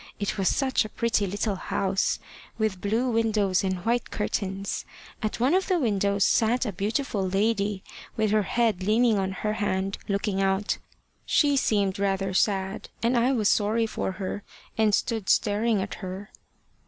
It was such a pretty little house, with blue windows and white curtains! At one of the windows sat a beautiful lady, with her head leaning on her hand, looking out. She seemed rather sad, and I was sorry for her, and stood staring at her.